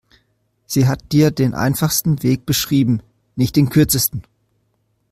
Sie hat dir den einfachsten Weg beschrieben, nicht den kürzesten.